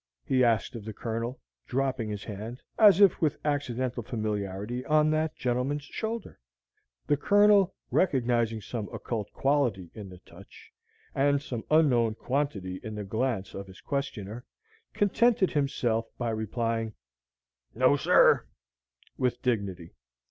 he asked of the Colonel, dropping his hand, as if with accidental familiarity, on that gentleman's shoulder. The Colonel, recognizing some occult quality in the touch, and some unknown quantity in the glance of his questioner, contented himself by replying, "No, sir," with dignity.